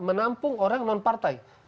menampung orang non partai